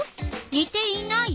にていない？